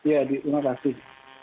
ya terima kasih